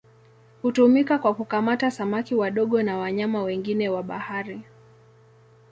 Hutumika kwa kukamata samaki wadogo na wanyama wengine wa bahari.